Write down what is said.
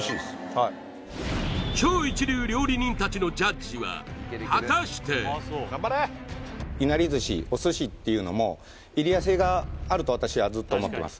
はい超一流料理人たちのジャッジは果たしていなり寿司お寿司っていうのもエリア性があると私はずっと思ってます